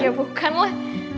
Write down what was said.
iya bukan lah